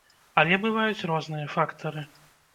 Але бываюць розныя фактары.